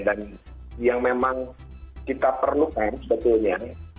dan yang memang kita perlukan sebetulnya